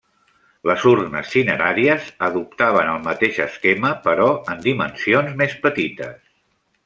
Les urnes cineràries adoptaven el mateix esquema, però en dimensions més petites.